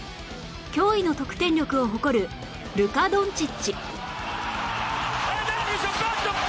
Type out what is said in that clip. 驚異の得点力を誇るルカ・ドンチッチ